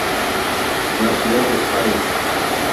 La ciudad de St.